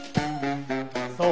そう？